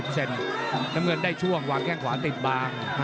น้ำเงินได้ช่วงวางแข้งขวาติดบาง